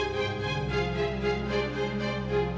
siapa kita tuh